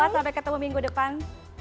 sampai ketemu minggu depan